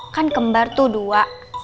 kan kembar tuh dua